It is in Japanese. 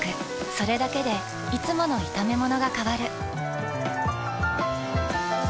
それだけでいつもの炒めものが変わる。